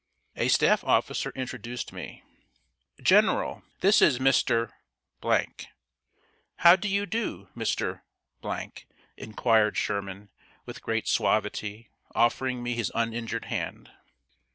A staff officer introduced me: "General, this is Mr. ." "How do you do, Mr. ?" inquired Sherman, with great suavity, offering me his uninjured hand.